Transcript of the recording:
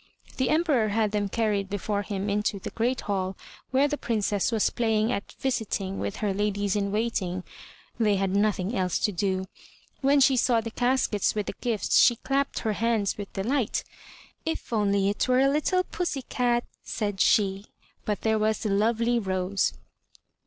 The Emperor had them carried before him into the great Hall where the Princess was playing at * Visiting" with her ladies in waiting; they had nothing else to do. When she saw the caskets with the gifts she clapped her hands with delight. "If only it were a little pussy cat!" said she, — ^but there was the lovely rose.